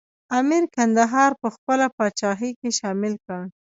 امیر کندهار په خپله پاچاهۍ کې شامل کړ.